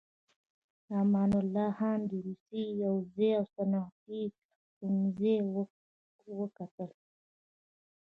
امان الله خان د روسيې پوځي او صنعتي ښوونځي وکتل.